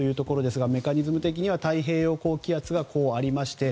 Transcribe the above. メカニズム的には太平洋高気圧がありまして